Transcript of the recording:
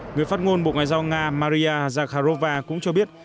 người phát ngôn bộ ngoại giao nga maria zakharova cũng cho biết